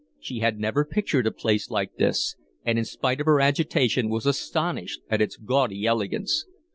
She had never pictured a place like this, and in spite of her agitation was astonished at its gaudy elegance.